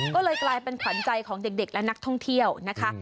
ก็เลยกลายเป็นขวัญใจของเด็กและนักท่องเที่ยวนะคะ